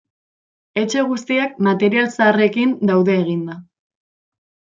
Etxe guztiak material zaharrekin daude eginda.